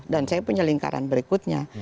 dan saya punya lingkaran berikutnya